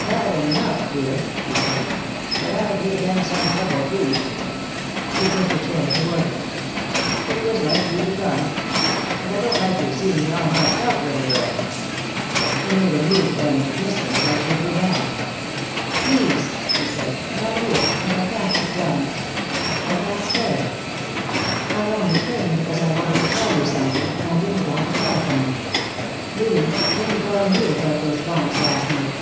"Bad enough, dear," he said, "but I gave them some trouble, too." He pushed a chair toward her. "It was like you to come. But I don't like your seeing me all mussed up, little girl." He made a move then to kiss her, but she drew back. "Please!" she said. "Not here. And I can't sit down. I can't stay. I only came because I wanted to tell you something and I didn't want to telephone it. Louis, Jim Doyle knew about those bombs last night.